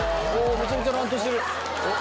めちゃめちゃ乱闘してる。